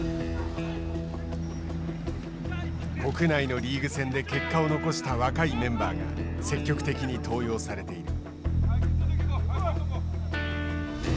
国内のリーグ戦で結果を残した若いメンバーが積極的に登用されている。